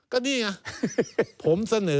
ก็นี่ไงผมเสนอ